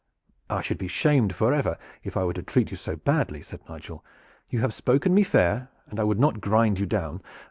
"I should be shamed forever if I were to treat you so badly," said Nigel. "You have spoken me fair, and I would not grind you down.